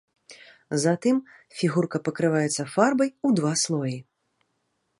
Затым фігурка пакрываецца фарбай у два слоі.